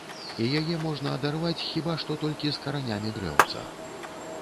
І яе можна адарваць хіба што толькі з каранямі дрэўца.